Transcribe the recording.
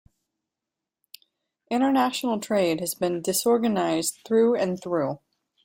International trade has been disorganized through and through.